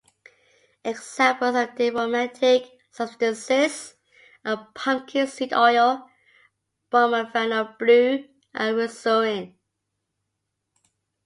Examples of dichromatic substances are pumpkin seed oil, bromophenol blue and resazurin.